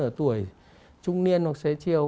ở tuổi trung niên nó sẽ chiều